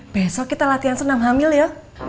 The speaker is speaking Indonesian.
besok kita latihan senam hamil ya